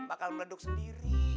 bakal meleduk sendiri